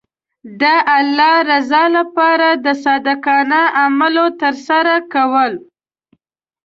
د الله رضا لپاره د صادقانه عملونو ترسره کول.